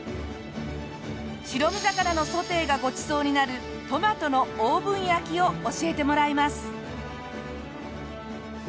白身魚のソテーがごちそうになるトマトのオーブン焼きを教えてもらいます。